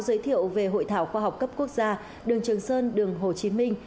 giới thiệu về hội thảo khoa học cấp quốc gia đường trường sơn đường hồ chí minh